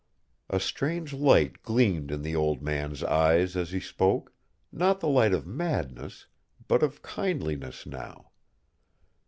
A strange light gleamed in the old man's eyes as he spoke, not the light of madness, but of kindliness now.